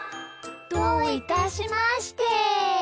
どういたしまして。